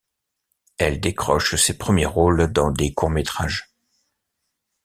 Elle décroche ses premiers rôles dans des courts-métrages.